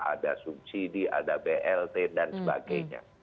ada subsidi ada blt dan sebagainya